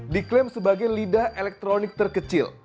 diklaim sebagai lidah elektronik terkecil